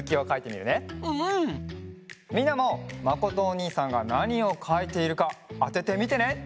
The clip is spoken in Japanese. みんなもまことおにいさんがなにをかいているかあててみてね！